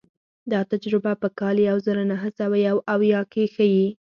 دا تجربه په کال یو زر نهه سوه یو اویا کې ښيي.